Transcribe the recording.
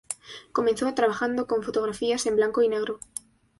Comenzó trabajando con fotografías en blanco y negro.